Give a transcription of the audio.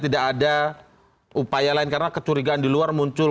tidak ada upaya lain karena kecurigaan di luar muncul